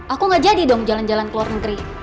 aku gak jadi dong jalan jalan ke luar negeri